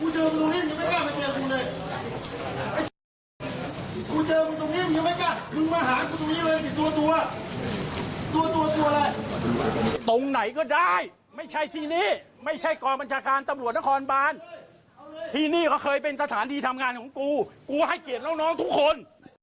ตรงไหนก็ได้ไม่ใช่ที่นี่ไม่ใช่กองบัญชาการตำรวจนครบานที่นี่เขาเคยเป็นสถานที่ทำงานของกูกูให้เกียรติน้องทุกคน